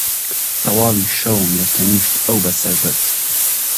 تەواوی شەوم لە تەنیشت ئەو بەسەر برد.